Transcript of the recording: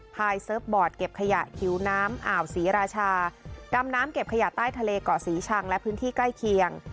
ยเซิร์ฟบอร์ดเก็บขยะผิวน้ำอ่าวศรีราชาดำน้ำเก็บขยะใต้ทะเลเกาะศรีชังและพื้นที่ใกล้เคียง